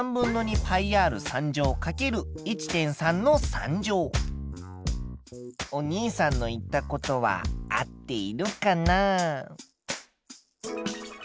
つまりお兄さんの言ったことは合っているかな？